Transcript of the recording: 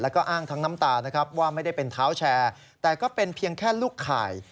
แล้วก็อ้างทั้งน้ำตานะครับว่าไม่ได้เป็นเท้าแชร์แต่ก็เป็นเพียงแค่ลูกข่าย